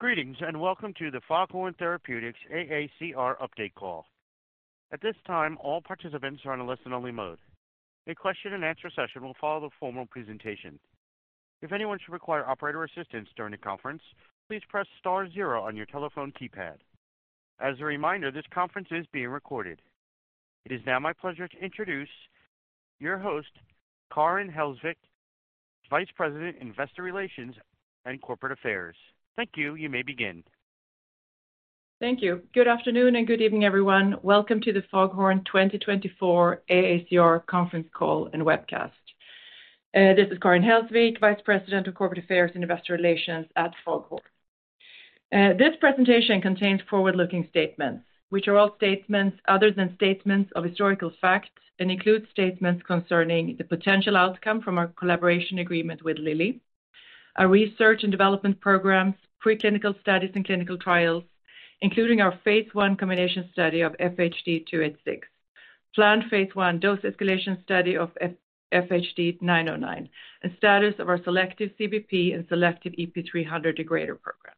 Greetings, and welcome to the Foghorn Therapeutics AACR update call. At this time, all participants are on a listen-only mode. A question and answer session will follow the formal presentation. If anyone should require operator assistance during the conference, please press star zero on your telephone keypad. As a reminder, this conference is being recorded. It is now my pleasure to introduce your host, Karin Hellsvik, Vice President, Investor Relations and Corporate Affairs. Thank you. You may begin. Thank you. Good afternoon, and good evening, everyone. Welcome to the Foghorn 2024 AACR conference call and webcast. This is Karin Hellsvik, Vice President of Corporate Affairs and Investor Relations at Foghorn. This presentation contains forward-looking statements, which are all statements other than statements of historical facts and include statements concerning the potential outcome from our collaboration agreement with Lilly, our research and development programs, preclinical studies, and clinical trials, including our phase I combination study of FHD-286, planned phase I dose escalation study of FHD-909, and status of our selective CBP and selective EP300 degrader programs.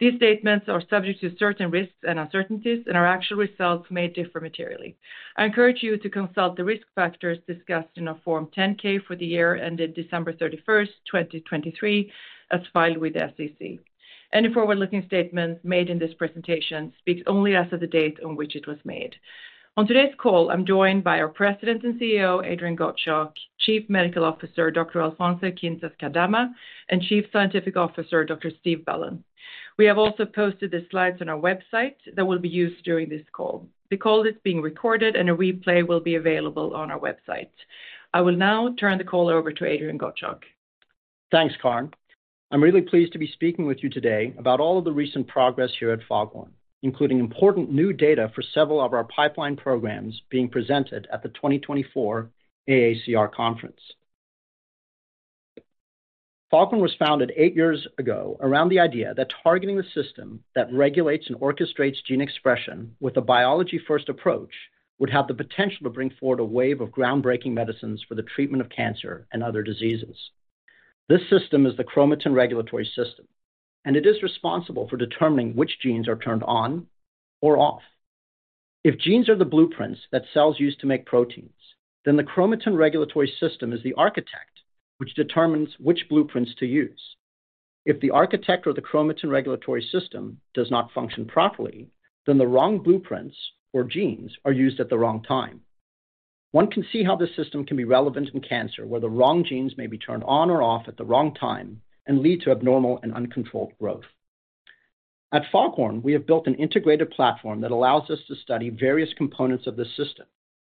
These statements are subject to certain risks and uncertainties, and our actual results may differ materially. I encourage you to consult the risk factors discussed in our Form 10-K for the year ended December 31, 2023, as filed with the SEC. Any forward-looking statements made in this presentation speaks only as of the date on which it was made. On today's call, I'm joined by our President and CEO, Adrian Gottschalk, Chief Medical Officer, Dr. Alfonso Quintás-Cardama, and Chief Scientific Officer, Dr. Steve Bellon. We have also posted the slides on our website that will be used during this call. The call is being recorded, and a replay will be available on our website. I will now turn the call over to Adrian Gottschalk. Thanks, Karin. I'm really pleased to be speaking with you today about all of the recent progress here at Foghorn, including important new data for several of our pipeline programs being presented at the 2024 AACR conference. Foghorn was founded eight years ago around the idea that targeting the system that regulates and orchestrates gene expression with a biology-first approach would have the potential to bring forward a wave of groundbreaking medicines for the treatment of cancer and other diseases. This system is the chromatin regulatory system, and it is responsible for determining which genes are turned on or off. If genes are the blueprints that cells use to make proteins, then the chromatin regulatory system is the architect, which determines which blueprints to use. If the architect or the chromatin regulatory system does not function properly, then the wrong blueprints or genes are used at the wrong time. One can see how this system can be relevant in cancer, where the wrong genes may be turned on or off at the wrong time and lead to abnormal and uncontrolled growth. At Foghorn, we have built an integrated platform that allows us to study various components of the system,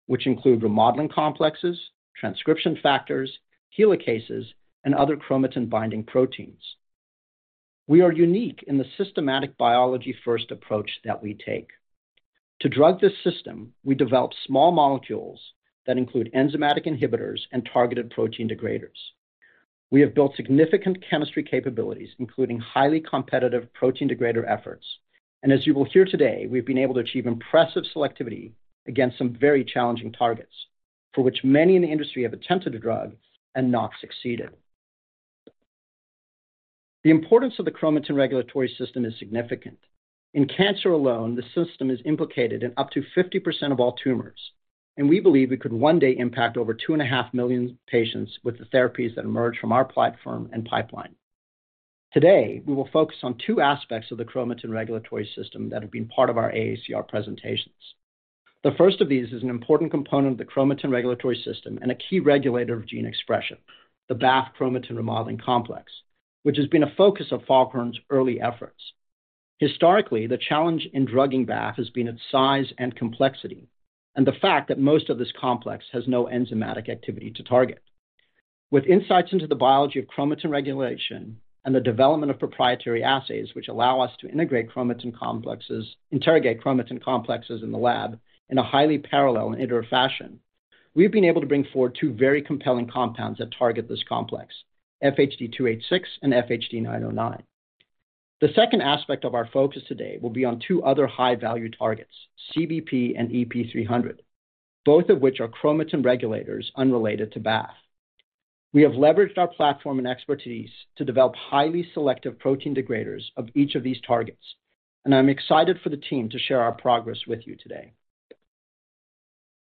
which include remodeling complexes, transcription factors, helicases, and other chromatin-binding proteins. We are unique in the systematic biology-first approach that we take. To drug this system, we develop small molecules that include enzymatic inhibitors and targeted protein degraders. We have built significant chemistry capabilities, including highly competitive protein degrader efforts, and as you will hear today, we've been able to achieve impressive selectivity against some very challenging targets, for which many in the industry have attempted to drug and not succeeded. The importance of the chromatin regulatory system is significant. In cancer alone, the system is implicated in up to 50% of all tumors, and we believe it could one day impact over 2.5 million patients with the therapies that emerge from our platform and pipeline. Today, we will focus on two aspects of the chromatin regulatory system that have been part of our AACR presentations. The first of these is an important component of the chromatin regulatory system and a key regulator of gene expression, the BAF chromatin remodeling complex, which has been a focus of Foghorn's early efforts. Historically, the challenge in drugging BAF has been its size and complexity, and the fact that most of this complex has no enzymatic activity to target. With insights into the biology of chromatin regulation and the development of proprietary assays, which allow us to integrate chromatin complexes, interrogate chromatin complexes in the lab in a highly parallel and iterative fashion, we've been able to bring forward two very compelling compounds that target this complex, FHD-286 and FHD-909. The second aspect of our focus today will be on two other high-value targets, CBP and EP300, both of which are chromatin regulators unrelated to BAF. We have leveraged our platform and expertise to develop highly selective protein degraders of each of these targets, and I'm excited for the team to share our progress with you today.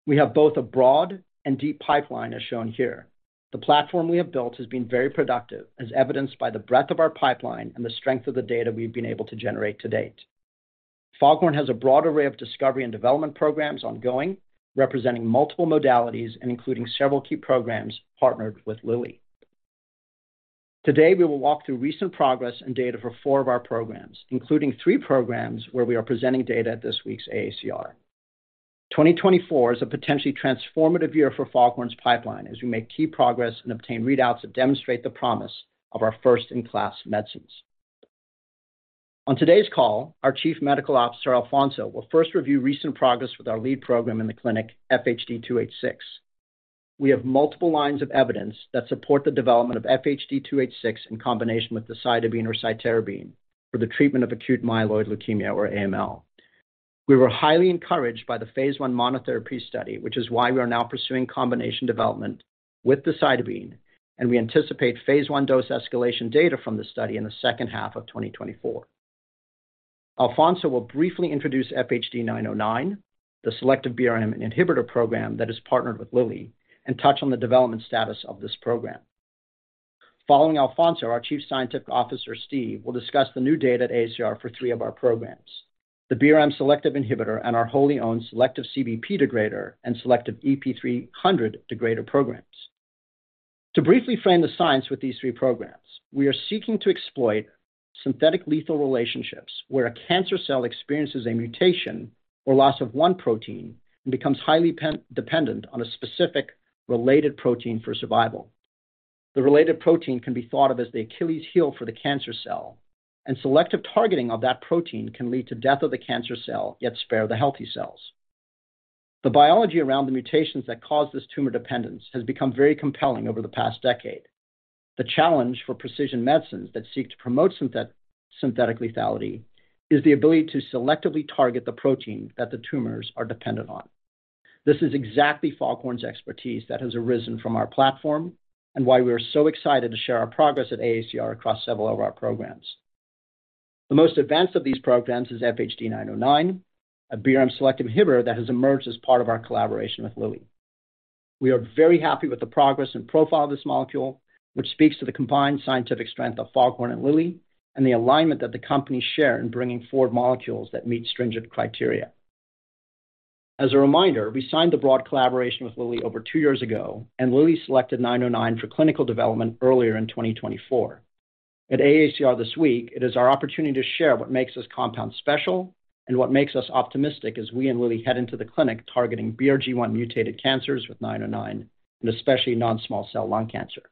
We have both a broad and deep pipeline, as shown here. The platform we have built has been very productive, as evidenced by the breadth of our pipeline and the strength of the data we've been able to generate to date. Foghorn has a broad array of discovery and development programs ongoing, representing multiple modalities and including several key programs partnered with Lilly. Today, we will walk through recent progress and data for four of our programs, including three programs where we are presenting data at this week's AACR. 2024 is a potentially transformative year for Foghorn's pipeline as we make key progress and obtain readouts that demonstrate the promise of our first-in-class medicines. On today's call, our Chief Medical Officer, Alfonso, will first review recent progress with our lead program in the clinic, FHD-286. We have multiple lines of evidence that support the development of FHD-286 in combination with the Decitabine or Cytarabine for the treatment of acute myeloid leukemia or AML. We were highly encouraged by the phase I monotherapy study, which is why we are now pursuing combination development with decitabine, and we anticipate phase I dose escalation data from the study in the second half of 2024. Alfonso will briefly introduce FHD-909, the selective BRM inhibitor program that is partnered with Lilly, and touch on the development status of this program. Following Alfonso, our Chief Scientific Officer, Steve, will discuss the new data at AACR for three of our programs: the BRM selective inhibitor and our wholly-owned selective CBP degrader and selective EP300 degrader programs. To briefly frame the science with these three programs, we are seeking to exploit synthetic lethal relationships, where a cancer cell experiences a mutation or loss of one protein and becomes highly dependent on a specific related protein for survival. The related protein can be thought of as the Achilles heel for the cancer cell, and selective targeting of that protein can lead to death of the cancer cell, yet spare the healthy cells. The biology around the mutations that cause this tumor dependence has become very compelling over the past decade. The challenge for precision medicines that seek to promote synthetic lethality is the ability to selectively target the protein that the tumors are dependent on. This is exactly Foghorn's expertise that has arisen from our platform, and why we are so excited to share our progress at AACR across several of our programs. The most advanced of these programs is FHD-909, a BRM selective inhibitor that has emerged as part of our collaboration with Lilly. We are very happy with the progress and profile of this molecule, which speaks to the combined scientific strength of Foghorn and Lilly, and the alignment that the companies share in bringing forward molecules that meet stringent criteria. As a reminder, we signed a broad collaboration with Lilly over two years ago, and Lilly selected 909 for clinical development earlier in 2024. At AACR this week, it is our opportunity to share what makes this compound special and what makes us optimistic as we and Lilly head into the clinic targeting BRG1 mutated cancers with 909, and especially non-small cell lung cancer.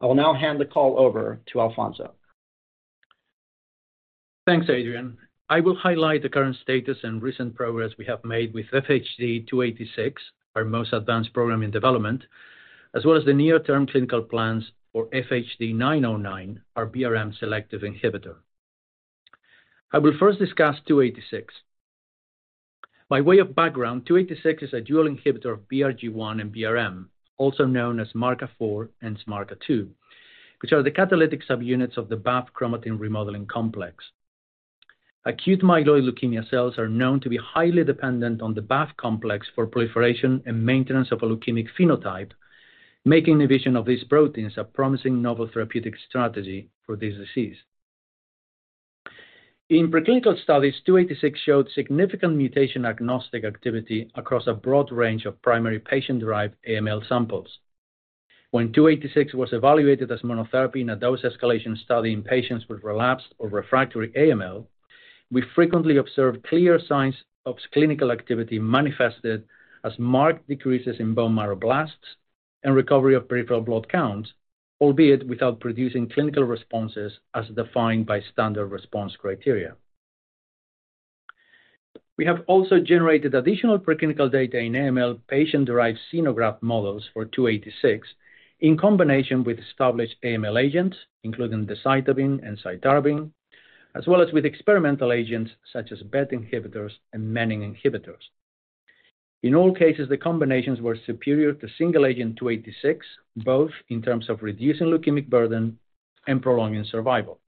I will now hand the call over to Alfonso. Thanks, Adrian. I will highlight the current status and recent progress we have made with FHD-286, our most advanced program in development, as well as the near-term clinical plans for FHD-909, our BRM selective inhibitor. I will first discuss FHD-286. By way of background, FHD-286 is a dual inhibitor of BRG1 and BRM, also known as SMARCA4 and SMARCA2, which are the catalytic subunits of the BAF chromatin remodeling complex. Acute myeloid leukemia cells are known to be highly dependent on the BAF complex for proliferation and maintenance of a leukemic phenotype, making inhibition of these proteins a promising novel therapeutic strategy for this disease. In preclinical studies, FHD-286 showed significant mutation-agnostic activity across a broad range of primary patient-derived AML samples. When FHD-286 was evaluated as monotherapy in a dose-escalation study in patients with relapsed or refractory AML, we frequently observed clear signs of clinical activity manifested as marked decreases in bone marrow blasts and recovery of peripheral blood counts, albeit without producing clinical responses as defined by standard response criteria. We have also generated additional preclinical data in AML patient-derived xenograft models for FHD-286 in combination with established AML agents, including decitabine and cytarabine, as well as with experimental agents such as BET inhibitors and Menin inhibitors. In all cases, the combinations were superior to single-agent FHD-286, both in terms of reducing leukemic burden and prolonging survival.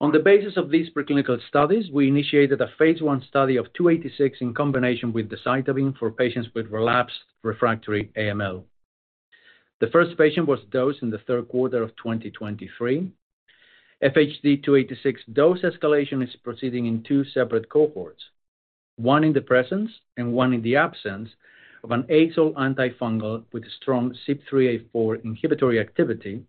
On the basis of these preclinical studies, we initiated a phase I study of FHD-286 in combination with decitabine for patients with relapsed refractory AML. The first patient was dosed in the third quarter of 2023. FHD-286 dose escalation is proceeding in two separate cohorts, one in the presence and one in the absence of an azole antifungal with strong CYP3A4 inhibitory activity,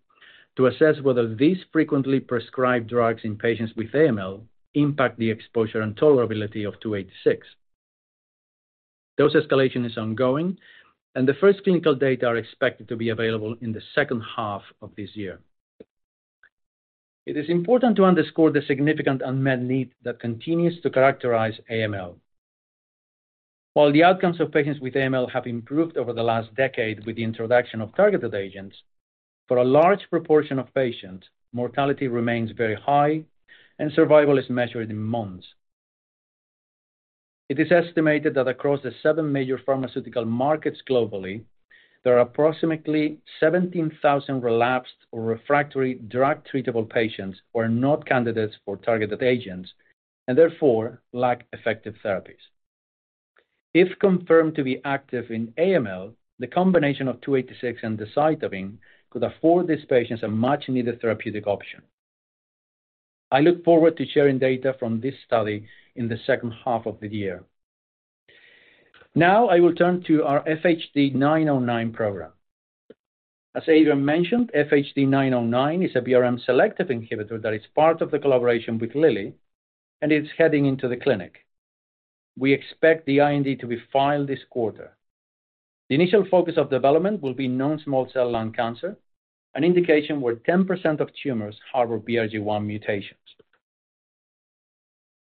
to assess whether these frequently prescribed drugs in patients with AML impact the exposure and tolerability of FHD-286. Dose escalation is ongoing, and the first clinical data are expected to be available in the second half of this year. It is important to underscore the significant unmet need that continues to characterize AML. While the outcomes of patients with AML have improved over the last decade with the introduction of targeted agents, for a large proportion of patients, mortality remains very high, and survival is measured in months. It is estimated that across the seven major pharmaceutical markets globally, there are approximately 17,000 relapsed or refractory drug-treatable patients who are not candidates for targeted agents and therefore lack effective therapies. If confirmed to be active in AML, the combination of FHD-286 and decitabine could afford these patients a much-needed therapeutic option. I look forward to sharing data from this study in the second half of the year. Now I will turn to our FHD-909 program. As Adrian mentioned, FHD-909 is a BRM selective inhibitor that is part of the collaboration with Lilly and is heading into the clinic. We expect the IND to be filed this quarter. The initial focus of development will be non-small cell lung cancer, an indication where 10% of tumors harbor BRG1 mutations.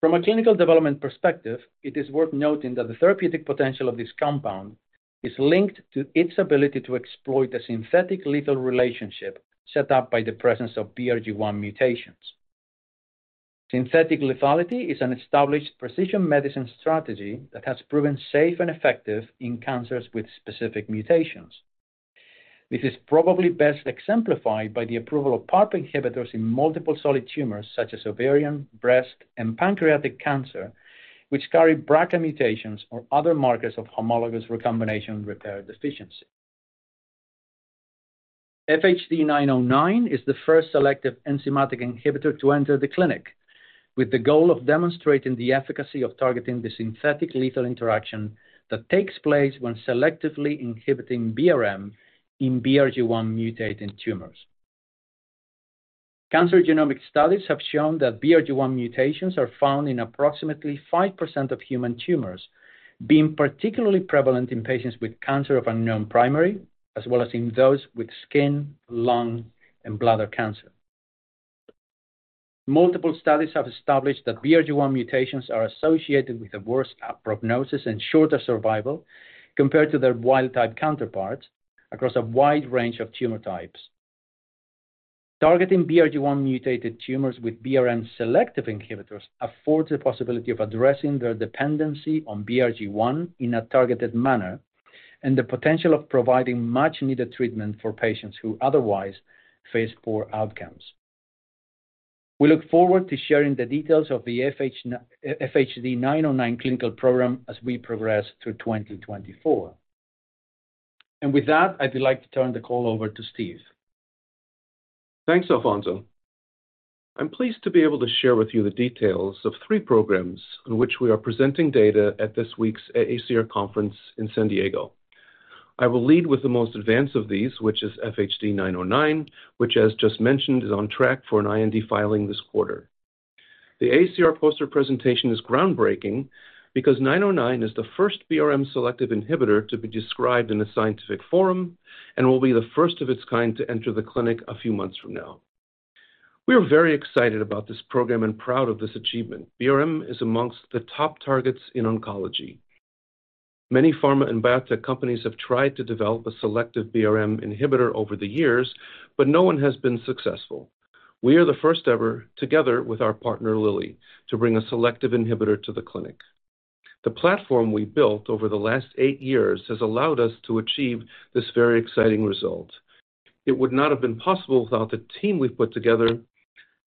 From a clinical development perspective, it is worth noting that the therapeutic potential of this compound is linked to its ability to exploit a synthetic lethal relationship set up by the presence of BRG1 mutations. Synthetic lethality is an established precision medicine strategy that has proven safe and effective in cancers with specific mutations. This is probably best exemplified by the approval of PARP inhibitors in multiple solid tumors, such as ovarian, breast, and pancreatic cancer, which carry BRCA mutations or other markers of homologous recombination repair deficiency. FHD-909 is the first selective enzymatic inhibitor to enter the clinic, with the goal of demonstrating the efficacy of targeting the synthetic lethal interaction that takes place when selectively inhibiting BRM in BRG1-mutating tumors. Cancer genomic studies have shown that BRG1 mutations are found in approximately 5% of human tumors, being particularly prevalent in patients with cancer of unknown primary, as well as in those with skin, lung, and bladder cancer. Multiple studies have established that BRG1 mutations are associated with a worse prognosis and shorter survival compared to their wild-type counterparts across a wide range of tumor types. Targeting BRG1 mutated tumors with BRM selective inhibitors affords the possibility of addressing their dependency on BRG1 in a targeted manner, and the potential of providing much-needed treatment for patients who otherwise face poor outcomes. We look forward to sharing the details of the FHD-909 clinical program as we progress through 2024. And with that, I'd like to turn the call over to Steve. Thanks, Alfonso. I'm pleased to be able to share with you the details of three programs on which we are presenting data at this week's AACR conference in San Diego. I will lead with the most advanced of these, which is FHD-909, which, as just mentioned, is on track for an IND filing this quarter. The AACR poster presentation is groundbreaking because 909 is the first BRM selective inhibitor to be described in a scientific forum and will be the first of its kind to enter the clinic a few months from now. We are very excited about this program and proud of this achievement. BRM is amongst the top targets in oncology. Many pharma and biotech companies have tried to develop a selective BRM inhibitor over the years, but no one has been successful. We are the first ever, together with our partner, Lilly, to bring a selective inhibitor to the clinic. The platform we built over the last eight years has allowed us to achieve this very exciting result. It would not have been possible without the team we've put together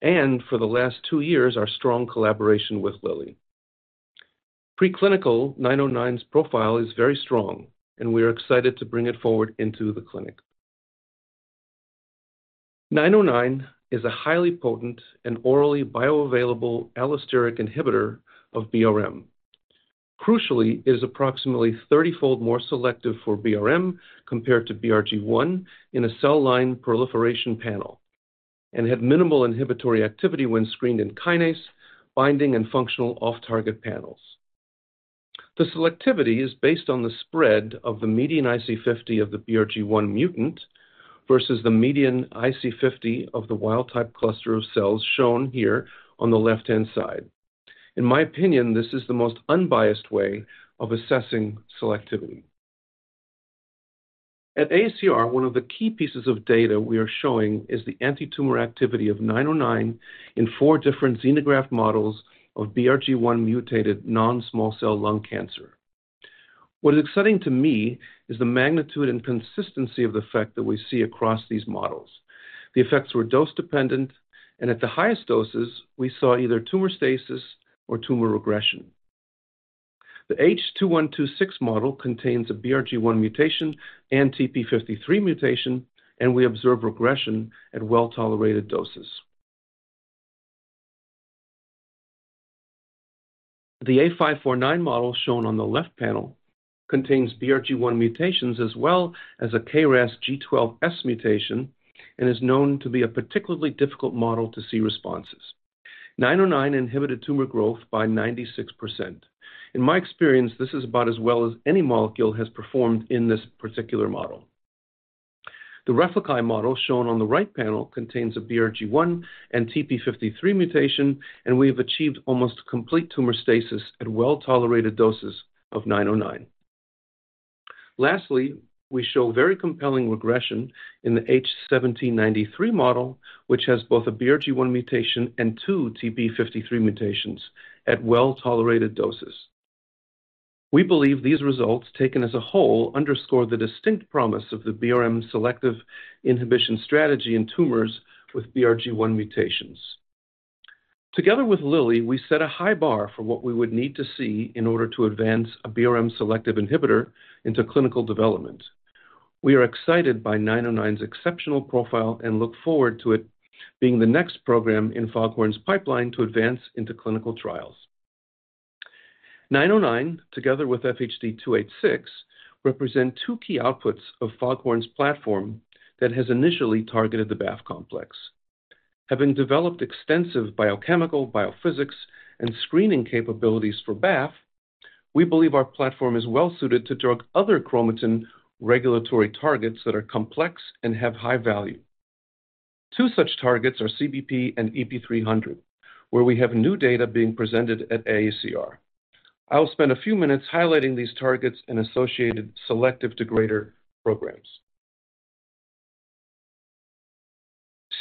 and, for the last two years, our strong collaboration with Lilly. Preclinical 909's profile is very strong, and we are excited to bring it forward into the clinic. 909 is a highly potent and orally bioavailable allosteric inhibitor of BRM. Crucially, it is approximately 30-fold more selective for BRM compared to BRG1 in a cell line proliferation panel and had minimal inhibitory activity when screened in kinase binding and functional off-target panels. The selectivity is based on the spread of the median IC50 of the BRG1 mutant versus the median IC50 of the wild-type cluster of cells, shown here on the left-hand side. In my opinion, this is the most unbiased way of assessing selectivity. At AACR, one of the key pieces of data we are showing is the antitumor activity of 909 in four different xenograft models of BRG1-mutated non-small cell lung cancer. What is exciting to me is the magnitude and consistency of the effect that we see across these models. The effects were dose-dependent, and at the highest doses, we saw either tumor stasis or tumor regression. The H2126 model contains a BRG1 mutation and TP53 mutation, and we observe regression at well-tolerated doses. The A549 model, shown on the left panel, contains BRG1 mutations as well as a KRAS G12S mutation and is known to be a particularly difficult model to see responses. 909 inhibited tumor growth by 96%. In my experience, this is about as well as any molecule has performed in this particular model. The RERF-LC-AI model, shown on the right panel, contains a BRG1 and TP53 mutation, and we have achieved almost complete tumor stasis at well-tolerated doses of 909. Lastly, we show very compelling regression in the H1793 model, which has both a BRG1 mutation and two TP53 mutations at well-tolerated doses. We believe these results, taken as a whole, underscore the distinct promise of the BRM selective inhibition strategy in tumors with BRG1 mutations. Together with Lilly, we set a high bar for what we would need to see in order to advance a BRM selective inhibitor into clinical development. We are excited by FHD-909's exceptional profile and look forward to it being the next program in Foghorn's pipeline to advance into clinical trials. FHD-909, together with FHD-286, represent two key outputs of Foghorn's platform that has initially targeted the BAF complex. Having developed extensive biochemical, biophysical, and screening capabilities for BAF, we believe our platform is well suited to drug other chromatin regulatory targets that are complex and have high value. Two such targets are CBP and EP300, where we have new data being presented at AACR. I will spend a few minutes highlighting these targets and associated selective degrader programs.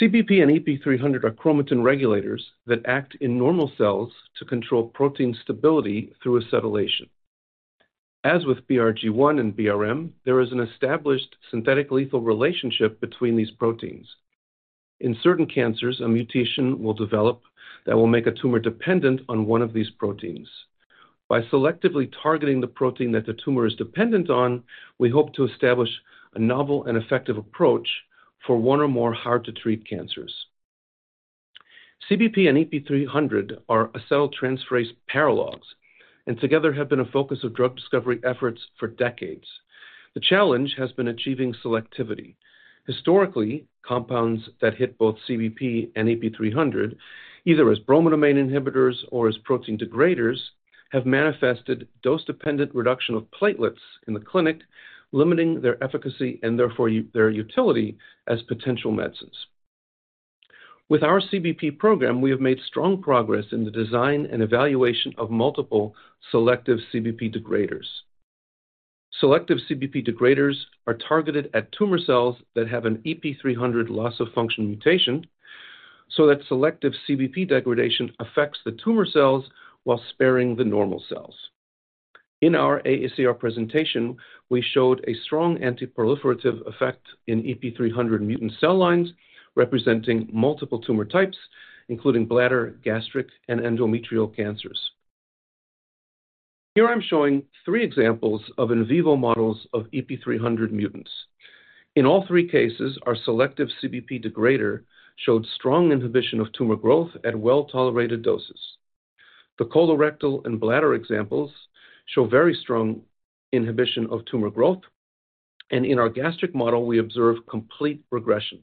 CBP and EP300 are chromatin regulators that act in normal cells to control protein stability through acetylation. As with BRG1 and BRM, there is an established synthetic lethal relationship between these proteins. In certain cancers, a mutation will develop that will make a tumor dependent on one of these proteins. By selectively targeting the protein that the tumor is dependent on, we hope to establish a novel and effective approach for one or more hard to treat cancers. CBP and EP300 are acetyltransferase paralogs, and together have been a focus of drug discovery efforts for decades. The challenge has been achieving selectivity. Historically, compounds that hit both CBP and EP300, either as bromodomain inhibitors or as protein degraders, have manifested dose-dependent reduction of platelets in the clinic, limiting their efficacy and therefore their utility as potential medicines. With our CBP program, we have made strong progress in the design and evaluation of multiple selective CBP degraders. Selective CBP degraders are targeted at tumor cells that have an EP300 loss of function mutation, so that selective CBP degradation affects the tumor cells while sparing the normal cells. In our AACR presentation, we showed a strong anti-proliferative effect in EP300 mutant cell lines, representing multiple tumor types, including bladder, gastric, and endometrial cancers. Here I'm showing three examples of in vivo models of EP300 mutants. In all three cases, our selective CBP degrader showed strong inhibition of tumor growth at well-tolerated doses. The colorectal and bladder examples show very strong inhibition of tumor growth, and in our gastric model, we observe complete regression.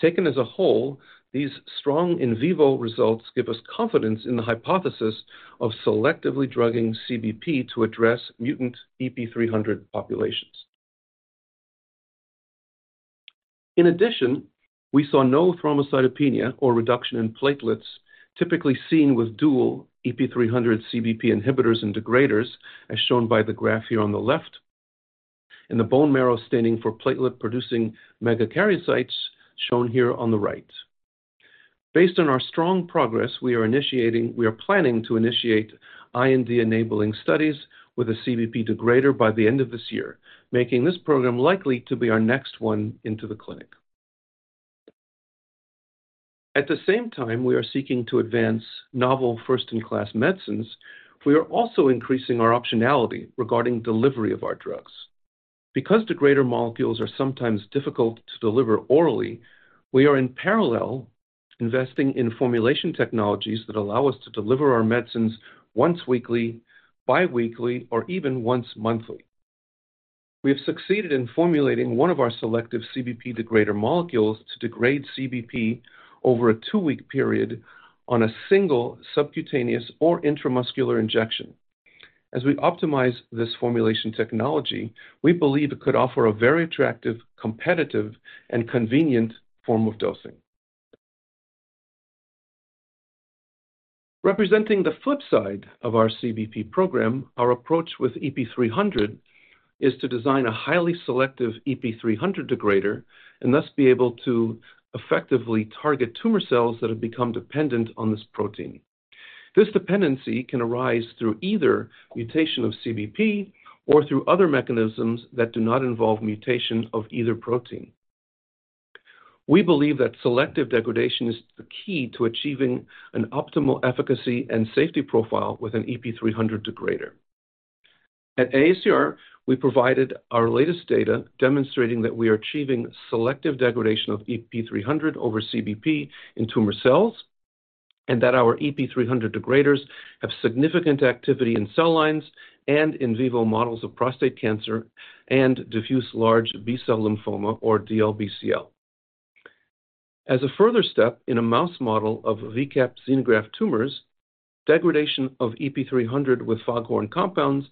Taken as a whole, these strong in vivo results give us confidence in the hypothesis of selectively drugging CBP to address mutant EP300 populations. In addition, we saw no thrombocytopenia or reduction in platelets, typically seen with dual EP300 CBP inhibitors and degraders, as shown by the graph here on the left, and the bone marrow staining for platelet-producing megakaryocytes, shown here on the right. Based on our strong progress, we are planning to initiate IND-enabling studies with a CBP degrader by the end of this year, making this program likely to be our next one into the clinic. At the same time, we are seeking to advance novel first-in-class medicines. We are also increasing our optionality regarding delivery of our drugs. Because degrader molecules are sometimes difficult to deliver orally, we are in parallel investing in formulation technologies that allow us to deliver our medicines once weekly, bi-weekly, or even once monthly. We have succeeded in formulating one of our Selective CBP degrader molecules to degrade CBP over a two-week period on a single subcutaneous or intramuscular injection. As we optimize this formulation technology, we believe it could offer a very attractive, competitive, and convenient form of dosing. Representing the flip side of our CBP program, our approach with EP300 is to design a highly selective EP300 degrader and thus be able to effectively target tumor cells that have become dependent on this protein. This dependency can arise through either mutation of CBP or through other mechanisms that do not involve mutation of either protein. We believe that selective degradation is the key to achieving an optimal efficacy and safety profile with an EP300 degrader. At AACR, we provided our latest data demonstrating that we are achieving selective degradation of EP300 over CBP in tumor cells, and that our EP300 degraders have significant activity in cell lines and in vivo models of prostate cancer and diffuse large B-cell lymphoma or DLBCL. As a further step in a mouse model of VCaP xenograft tumors, degradation of EP300 with Foghorn compounds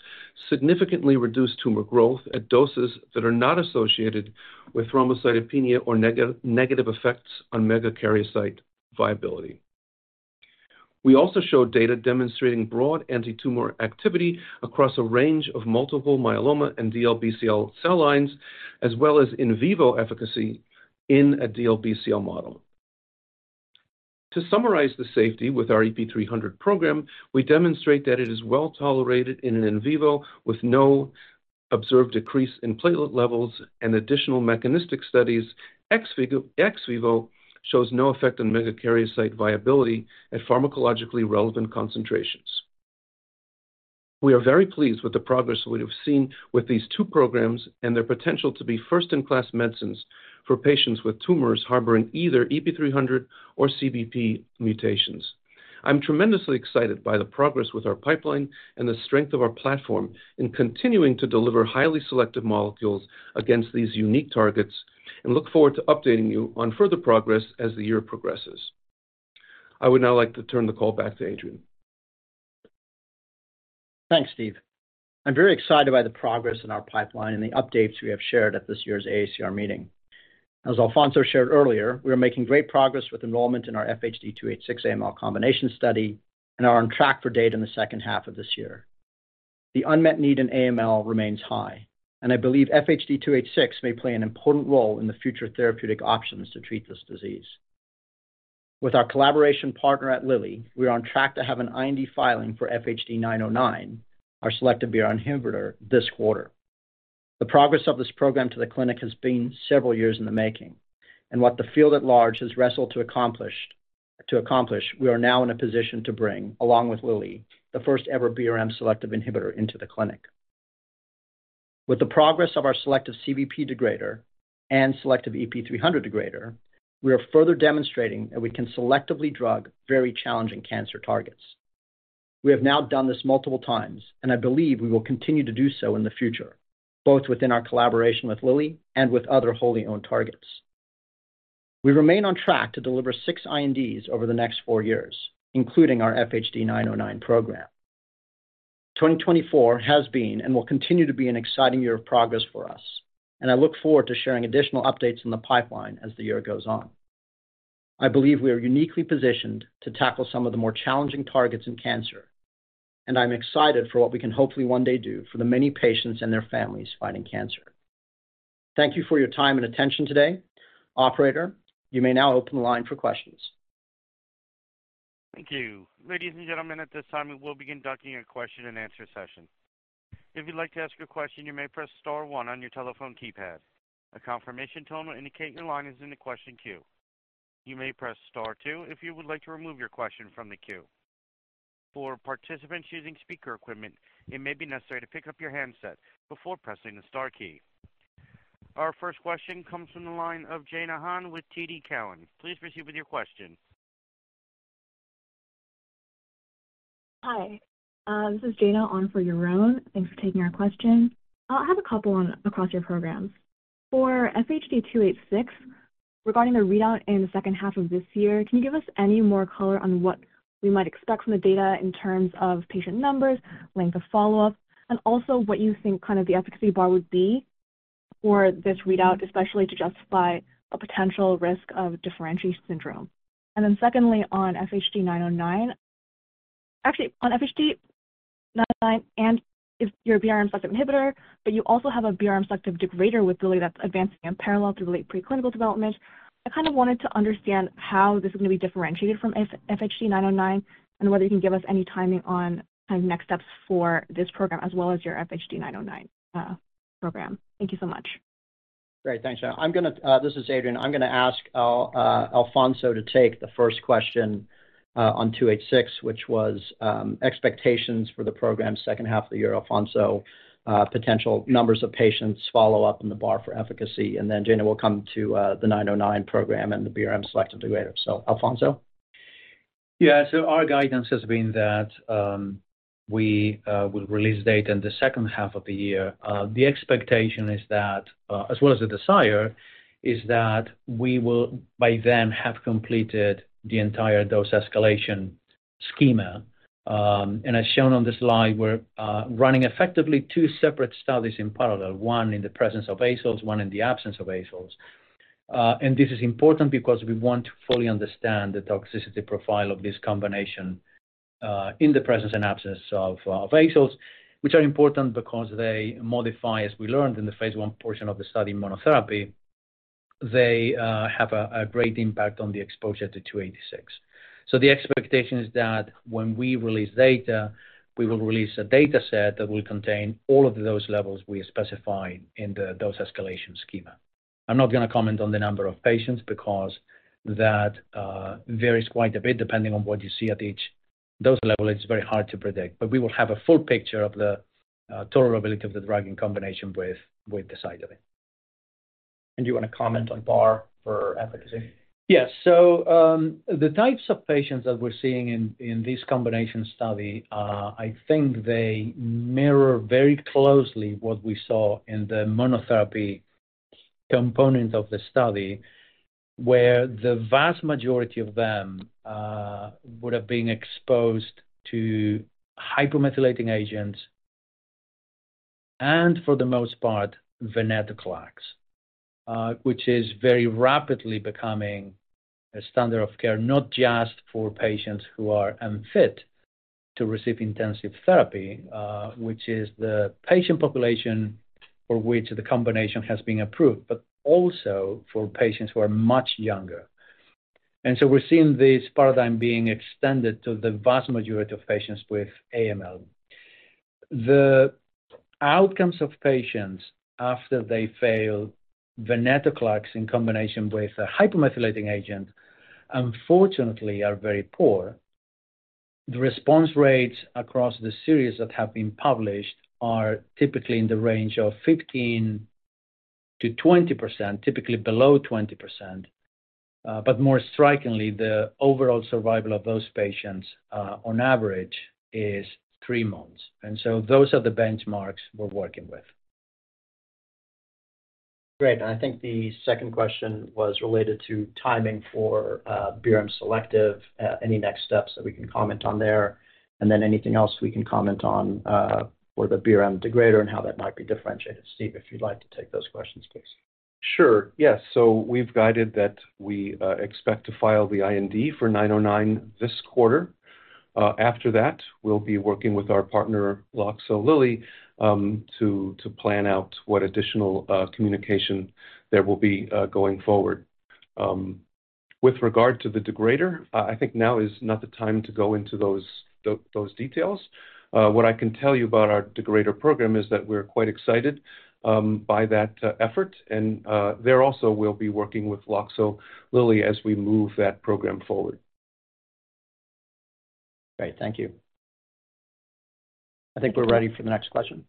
significantly reduced tumor growth at doses that are not associated with thrombocytopenia or negative effects on megakaryocyte viability. We also showed data demonstrating broad antitumor activity across a range of multiple myeloma and DLBCL cell lines, as well as in vivo efficacy in a DLBCL model. To summarize the safety with our EP300 program, we demonstrate that it is well-tolerated in an in vivo with no observed decrease in platelet levels and additional mechanistic studies ex vivo shows no effect on megakaryocyte viability at pharmacologically relevant concentrations. We are very pleased with the progress we have seen with these two programs and their potential to be first-in-class medicines for patients with tumors harboring either EP300 or CBP mutations. I'm tremendously excited by the progress with our pipeline and the strength of our platform in continuing to deliver highly selective molecules against these unique targets and look forward to updating you on further progress as the year progresses. I would now like to turn the call back to Adrian. Thanks, Steve. I'm very excited by the progress in our pipeline and the updates we have shared at this year's AACR meeting. As Alfonso shared earlier, we are making great progress with enrollment in our FHD-286 AML combination study and are on track for data in the second half of this year. The unmet need in AML remains high, and I believe FHD-286 may play an important role in the future therapeutic options to treat this disease. With our collaboration partner at Lilly, we are on track to have an IND filing for FHD-909, our selective BRM inhibitor, this quarter. The progress of this program to the clinic has been several years in the making, and what the field at large has wrestled to accomplish, we are now in a position to bring, along with Lilly, the first-ever BRM selective inhibitor into the clinic. With the progress of our selective CBP degrader and selective EP300 degrader, we are further demonstrating that we can selectively drug very challenging cancer targets. We have now done this multiple times, and I believe we will continue to do so in the future, both within our collaboration with Lilly and with other wholly owned targets. We remain on track to deliver six INDs over the next four years, including our FHD-909 program. 2024 has been and will continue to be an exciting year of progress for us, and I look forward to sharing additional updates in the pipeline as the year goes on. I believe we are uniquely positioned to tackle some of the more challenging targets in cancer, and I'm excited for what we can hopefully one day do for the many patients and their families fighting cancer. Thank you for your time and attention today. Operator, you may now open the line for questions. Thank you. Ladies and gentlemen, at this time, we will begin conducting a question-and-answer session. If you'd like to ask a question, you may press star one on your telephone keypad. A confirmation tone will indicate your line is in the question queue. You may press star two if you would like to remove your question from the queue. For participants using speaker equipment, it may be necessary to pick up your handset before pressing the star key. Our first question comes from the line of Jaena Han with TD Cowen. Please proceed with your question. Hi, this is Jaena on for Yaron. Thanks for taking our question. I'll have a couple on across your programs. For FHD-286, regarding the readout in the second half of this year, can you give us any more color on what we might expect from the data in terms of patient numbers, length of follow-up, and also what you think kind of the efficacy bar would be for this readout, especially to justify a potential risk of differentiation syndrome? And then secondly, on FHD-909. Actually, on FHD-909 and your BRM selective inhibitor, but you also have a BRM selective degrader with Lilly that's advancing in parallel through late preclinical development. I kind of wanted to understand how this is going to be differentiated from FHD-909, and whether you can give us any timing on kind of next steps for this program, as well as your FHD-909 program. Thank you so much. Great. Thanks, Jaena. I'm gonna—this is Adrian. I'm gonna ask Alfonso to take the first question on 286, which was expectations for the program's second half of the year. Alfonso, potential numbers of patients follow-up in the Part B for efficacy, and then Jaena will come to the 909 program and the BRM selective degrader. So, Alfonso? Yeah. So our guidance has been that, we will release data in the second half of the year. The expectation is that, as well as the desire, is that we will, by then, have completed the entire dose escalation schema. And as shown on the slide, we're running effectively two separate studies in parallel, one in the presence of azoles, one in the absence of azoles. And this is important because we want to fully understand the toxicity profile of this combination, in the presence and absence of, of azoles, which are important because they modify, as we learned in the phase I portion of the study, monotherapy. They have a great impact on the exposure to 286. So the expectation is that when we release data, we will release a data set that will contain all of those levels we specified in the dose escalation schema. I'm not gonna comment on the number of patients because that, varies quite a bit depending on what you see at each dose level. It's very hard to predict, but we will have a full picture of the, tolerability of the drug in combination with, with the decitabine. Do you want to comment on the bar for efficacy? Yes. So, the types of patients that we're seeing in this combination study, I think they mirror very closely what we saw in the monotherapy component of the study, where the vast majority of them would have been exposed to hypomethylating agents and for the most part, Venetoclax, which is very rapidly becoming a standard of care, not just for patients who are unfit to receive intensive therapy, which is the patient population for which the combination has been approved, but also for patients who are much younger. And so we're seeing this paradigm being extended to the vast majority of patients with AML. The outcomes of patients after they fail Venetoclax in combination with a hypomethylating agent, unfortunately, are very poor. The response rates across the series that have been published are typically in the range of 15%-20%, typically below 20%. But more strikingly, the overall survival of those patients, on average, is three months, and so those are the benchmarks we're working with. Great. And I think the second question was related to timing for, BRM selective, any next steps that we can comment on there, and then anything else we can comment on, for the BRM degrader and how that might be differentiated. Steve, if you'd like to take those questions, please. Sure. Yes. So we've guided that we expect to file the IND for 909 this quarter. After that, we'll be working with our partner, Loxo Lilly, to plan out what additional communication there will be going forward. With regard to the degrader, I think now is not the time to go into those details. What I can tell you about our degrader program is that we're quite excited by that effort, and there also, we'll be working with Loxo Lilly as we move that program forward. Great, thank you. I think we're ready for the next question.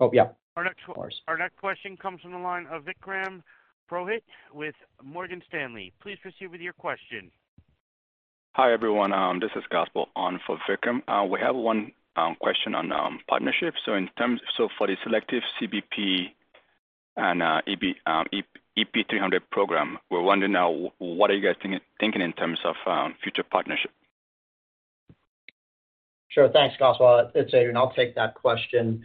Oh, yeah, of course. Our next question comes from the line of Vikram Purohit with Morgan Stanley. Please proceed with your question. Hi, everyone, this is Goswal on for Vikram. We have one question on partnerships. So for the selective CBP and EP300 program, we're wondering now what are you guys thinking in terms of future partnership? Sure. Thanks, Goswal. It's Adrian, I'll take that question.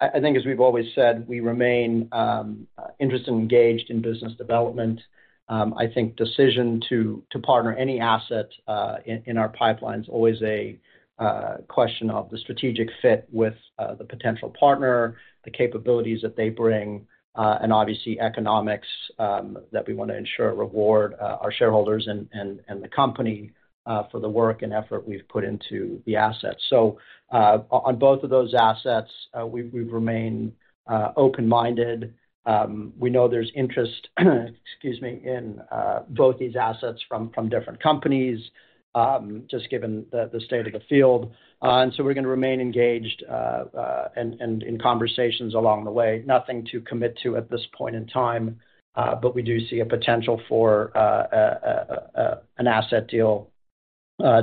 I think as we've always said, we remain interested and engaged in business development. I think decision to partner any asset in our pipeline is always a question of the strategic fit with the potential partner, the capabilities that they bring, and obviously economics that we want to ensure reward our shareholders and the company for the work and effort we've put into the asset. So, on both of those assets, we remain open-minded. We know there's interest, excuse me, in both these assets from different companies just given the state of the field. And so we're gonna remain engaged and in conversations along the way. Nothing to commit to at this point in time, but we do see a potential for an asset deal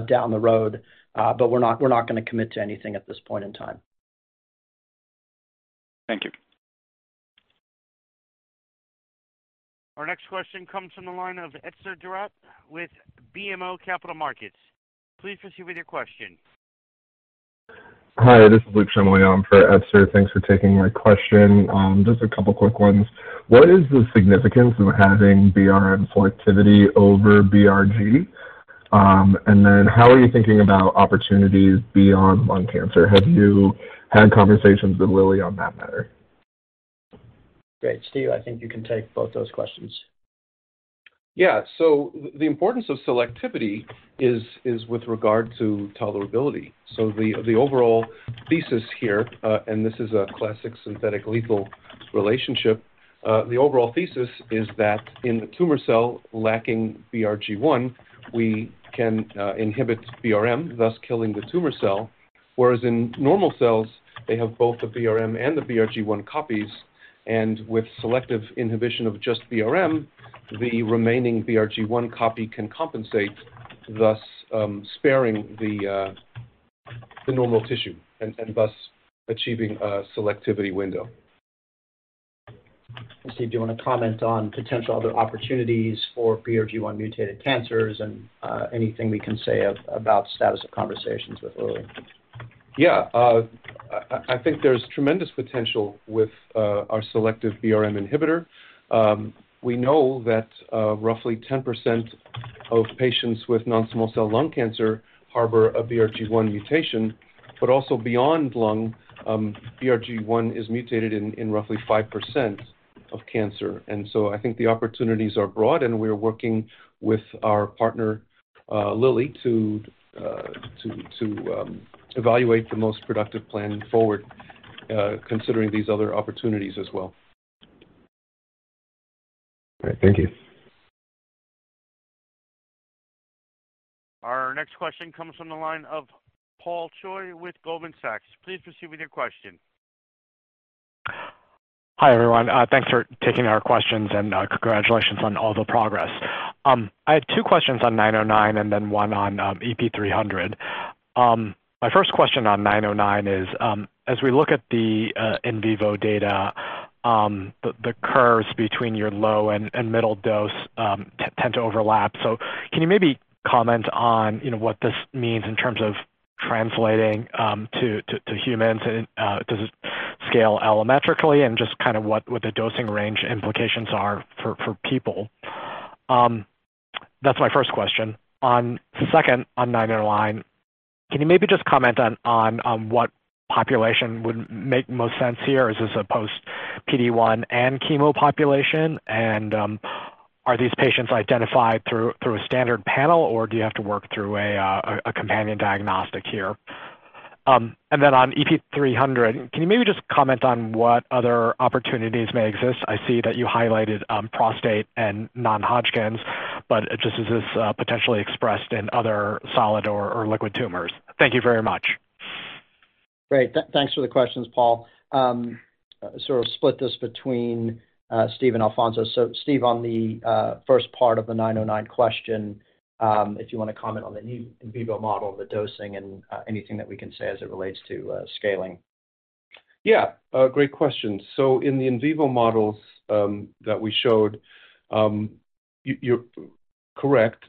down the road. But we're not, we're not gonna commit to anything at this point in time. Thank you. Our next question comes from the line of Etzer Darout with BMO Capital Markets. Please proceed with your question. Hi, this is Luke Chia-Meli. I'm for Etzer. Thanks for taking my question. Just a couple of quick ones. What is the significance of having BRM selectivity over BRG? And then how are you thinking about opportunities beyond lung cancer? Have you had conversations with Lilly on that matter? Great. Steve, I think you can take both those questions. Yeah. So the importance of selectivity is with regard to tolerability. So the overall thesis here, and this is a classic synthetic lethal relationship. The overall thesis is that in the tumor cell lacking BRG1, we can inhibit BRM, thus killing the tumor cell, whereas in normal cells, they have both the BRM and the BRG1 copies, and with selective inhibition of just BRM, the remaining BRG1 copy can compensate, thus sparing the normal tissue and thus achieving a selectivity window. Steve, do you want to comment on potential other opportunities for BRG1 mutated cancers and anything we can say about status of conversations with Lilly? Yeah, I think there's tremendous potential with our selective BRM inhibitor. We know that roughly 10% of patients with non-small cell lung cancer harbor a BRG1 mutation, but also beyond lung, BRG1 is mutated in roughly 5% of cancer. And so I think the opportunities are broad, and we're working with our partner, Lilly, to evaluate the most productive plan forward, considering these other opportunities as well. All right. Thank you. Our next question comes from the line of Paul Choi with Goldman Sachs. Please proceed with your question. Hi, everyone, thanks for taking our questions, and, congratulations on all the progress. I have two questions on 909 and then one on EP300. My first question on 909 is, as we look at the in vivo data, the curves between your low and middle dose tend to overlap. So can you maybe comment on, you know, what this means in terms of translating to humans? And, does it scale allometrically? And just kind of what the dosing range implications are for people. That's my first question. On second, on 909, can you maybe just comment on what population would make most sense here? Is this a post-PD-1 and chemo population? Are these patients identified through a standard panel, or do you have to work through a companion diagnostic here? And then on EP300, can you maybe just comment on what other opportunities may exist? I see that you highlighted prostate and non-Hodgkin's, but just as is potentially expressed in other solid or liquid tumors. Thank you very much. Great. Thanks for the questions, Paul. Sort of split this between Steve and Alfonso. So Steve, on the first part of the 909 question, if you want to comment on the new in vivo model, the dosing, and anything that we can say as it relates to scaling. Yeah, a great question. So in the in vivo models that we showed, you're correct,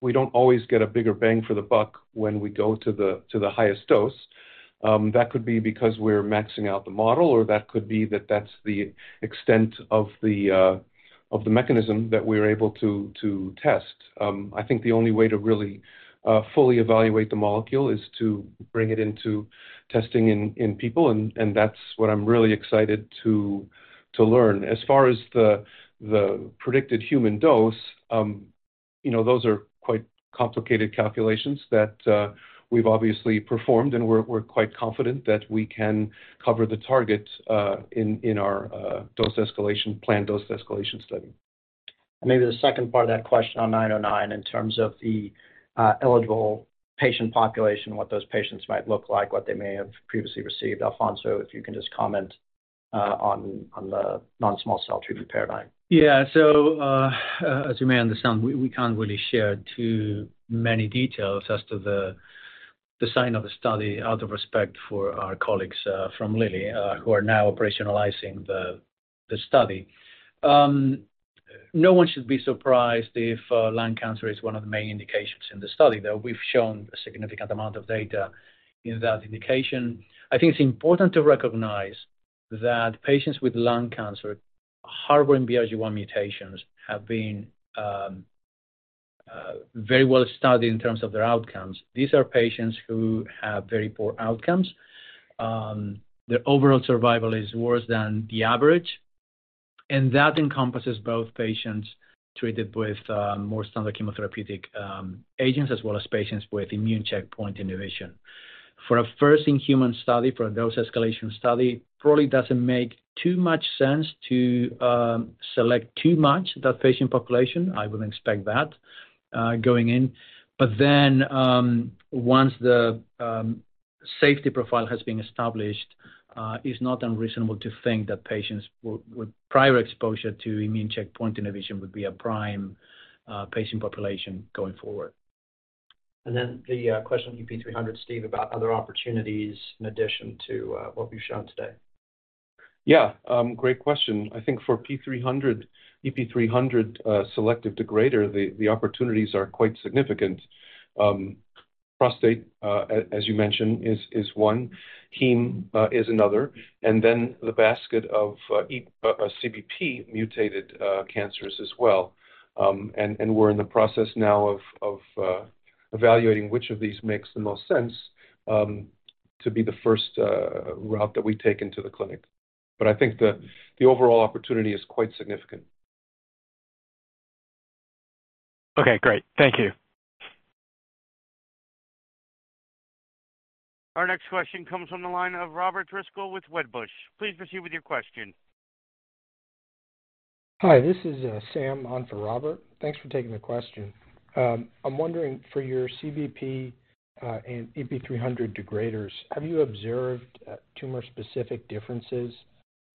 we don't always get a bigger bang for the buck when we go to the highest dose. That could be because we're maxing out the model, or that could be that's the extent of the mechanism that we're able to test. I think the only way to really fully evaluate the molecule is to bring it into testing in people, and that's what I'm really excited to learn. As far as the predicted human dose, you know, those are quite complicated calculations that we've obviously performed, and we're quite confident that we can cover the target in our planned dose escalation study. Maybe the second part of that question on 909, in terms of the eligible patient population, what those patients might look like, what they may have previously received. Alfonso, if you can just comment on the non-small cell treatment paradigm. Yeah. So, as you may understand, we can't really share too many details as to the sign of the study, out of respect for our colleagues from Lilly, who are now operationalizing the study. No one should be surprised if lung cancer is one of the main indications in the study, though we've shown a significant amount of data in that indication. I think it's important to recognize that patients with lung cancer harboring BRG1 mutations have been very well studied in terms of their outcomes. These are patients who have very poor outcomes. Their overall survival is worse than the average, and that encompasses both patients treated with more standard chemotherapeutic agents, as well as patients with immune checkpoint inhibition. For a first-in-human study, for a dose-escalation study, probably doesn't make too much sense to select too much that patient population. I would expect that, going in. But then, once the safety profile has been established, it's not unreasonable to think that patients with prior exposure to immune checkpoint inhibition would be a prime patient population going forward. And then the question on EP300, Steve, about other opportunities in addition to what we've shown today. Yeah, great question. I think for EP300, EP300 selective degrader, the opportunities are quite significant. Prostate, as you mentioned, is one, heme is another, and then the basket of CBP mutated cancers as well. And we're in the process now of evaluating which of these makes the most sense to be the first route that we take into the clinic. But I think the overall opportunity is quite significant. Okay, great. Thank you. Our next question comes from the line of Robert Driscoll with Wedbush. Please proceed with your question. Hi, this is Sam, on for Robert. Thanks for taking the question. I'm wondering, for your CBP and EP300 degraders, have you observed tumor-specific differences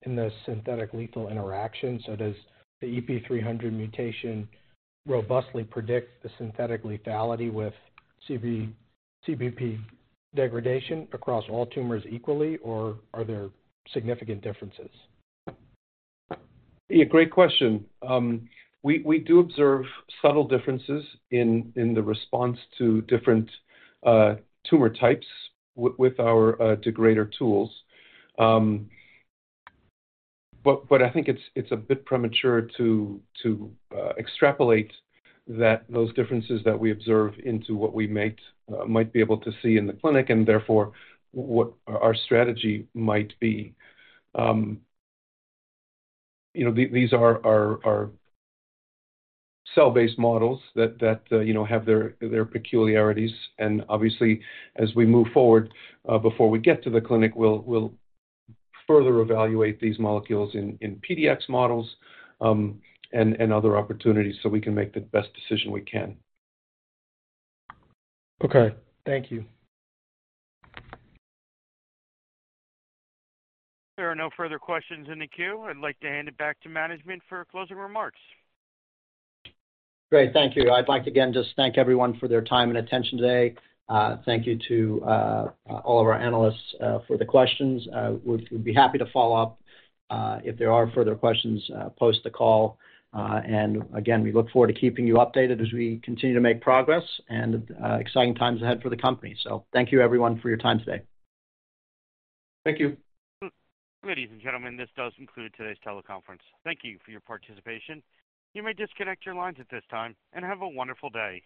in the synthetic lethal interaction? So does the EP300 mutation robustly predict the synthetic lethality with CBP degradation across all tumors equally, or are there significant differences? Yeah, great question. We do observe subtle differences in the response to different tumor types with our degrader tools. But I think it's a bit premature to extrapolate those differences that we observe into what we might be able to see in the clinic, and therefore, what our strategy might be. You know, these are cell-based models that you know have their peculiarities. And obviously, as we move forward, before we get to the clinic, we'll further evaluate these molecules in PDX models, and other opportunities so we can make the best decision we can. Okay, thank you. There are no further questions in the queue. I'd like to hand it back to management for closing remarks. Great. Thank you. I'd like to again just thank everyone for their time and attention today. Thank you to all of our analysts for the questions. We'd be happy to follow up if there are further questions post the call. And again, we look forward to keeping you updated as we continue to make progress, and exciting times ahead for the company. So thank you, everyone, for your time today. Thank you. Ladies and gentlemen, this does conclude today's teleconference. Thank you for your participation. You may disconnect your lines at this time, and have a wonderful day.